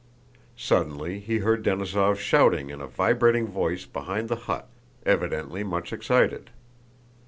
Suddenly he heard Denísov shouting in a vibrating voice behind the hut, evidently much excited.